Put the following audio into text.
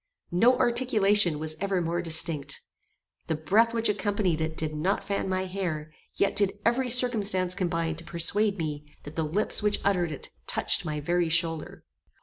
No articulation was ever more distinct. The breath which accompanied it did not fan my hair, yet did every circumstance combine to persuade me that the lips which uttered it touched my very shoulder.